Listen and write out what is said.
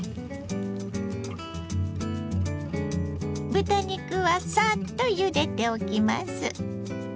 豚肉はさっとゆでておきます。